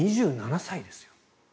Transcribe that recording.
２７歳ですよ。